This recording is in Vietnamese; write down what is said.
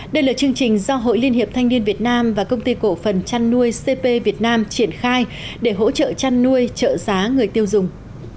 đây là chương trình do hội liên hiệp thanh niên việt nam và công ty cổ phần chăn nuôi cp việt nam triển khai để hỗ trợ chăn nuôi trợ giá người tiêu dùng